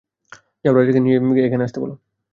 যাও, রাজাকে গিয়ে নিয়ে আসতে বলো।